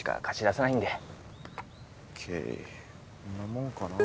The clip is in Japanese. こんなもんかなぁ。